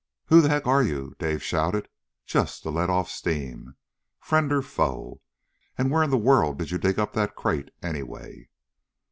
"Who the heck are you?" Dave shouted just to let off steam. "Friend or foe? And where in the world did you dig up that crate, anyway?"